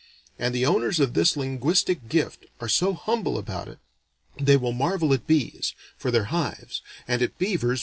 And the owners of this linguistic gift are so humble about it, they will marvel at bees, for their hives, and at beavers' mere dams.